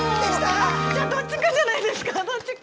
じゃあどっちかじゃないですかどっちか。